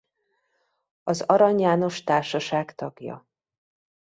Az Arany János Társaság tagja.